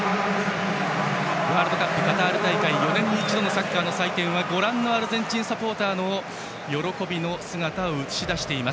ワールドカップカタール大会４年に一度のサッカーの祭典はアルゼンチンサポーターの喜びの姿を映し出しています。